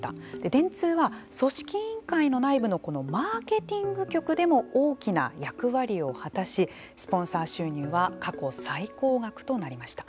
電通は、組織委員会の内部のマーケティング局でも大きな役割を果たしスポンサー収入は過去最高額となりました。